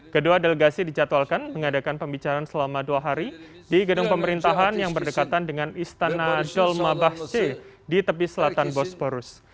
kedua delegasi dijadwalkan mengadakan pembicaraan selama dua hari di gedung pemerintahan yang berdekatan dengan istana dolma bahte di tepi selatan bosporus